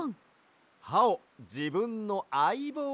はをじぶんの「あいぼう」